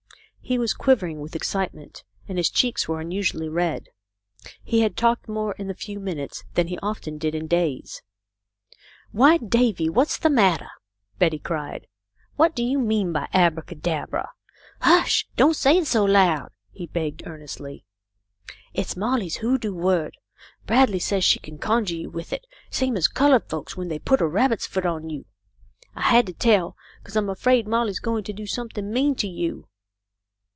He was quivering with excite ment, and his cheeks were unusually red. He had talked more in the few minutes than he often did in days. "Why, Davy, what's the matter?" cried Betty. " What do you mean by abracadabra ?"" Hush ! Don't say it so loud," he begged ear nestly. " It's Molly's hoodoo word. Bradley says she can conjure you with it, same as coloured folks when they put a rabbit's foot on you. I had to tell, 'cause I'm afraid Molly's going to do something mean to you."